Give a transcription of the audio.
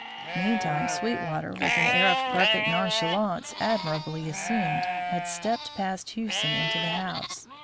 Meantime, Sweetwater, with an air of perfect nonchalance admirably assumed, had stepped past Hewson into the house.